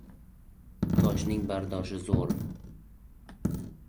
Toshning bardoshi zo‘r.